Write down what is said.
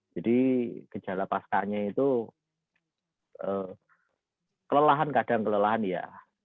jadi kejala pascanya itu kelelahan kadang kelelahan ya